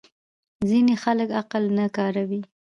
ځینې خلک عقل نه کاروي.